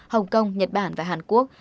hồng kông nhật bản và hàn quốc